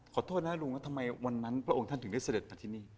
ขอโทษนะลุงว่าทำไมวันนั้นพระองค์ท่านถึงได้เสด็จมาที่นี่